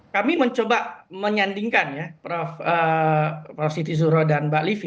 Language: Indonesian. kami mencoba menyandingkan ya prof siti zuro dan mbak livi